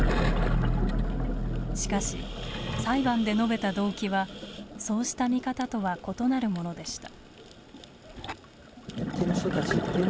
しかし裁判で述べた動機はそうした見方とは異なるものでした。